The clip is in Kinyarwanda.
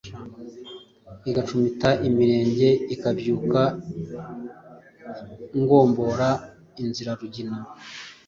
Igacumita ibirenge, ikabyuka ngombora Inzira ,rugina